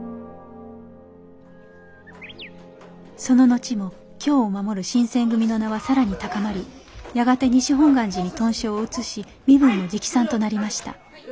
その後も京を守る新選組の名は更に高まりやがて西本願寺に屯所を移し身分も直参となりました。